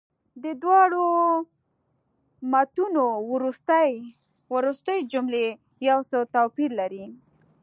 د دواړو متونو وروستۍ جملې یو څه توپیر لري.